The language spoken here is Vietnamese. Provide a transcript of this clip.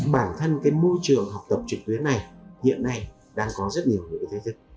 bản thân cái môi trường học tập trực tuyến này hiện nay đang có rất nhiều người thế giới